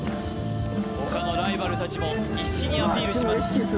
他のライバル達も必死にアピールします